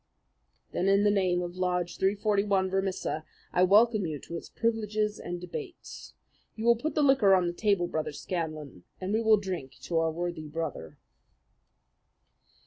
"Then in the name of Lodge 341, Vermissa, I welcome you to its privileges and debates. You will put the liquor on the table, Brother Scanlan, and we will drink to our worthy brother."